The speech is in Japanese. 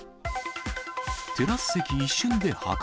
テラス席一瞬で破壊。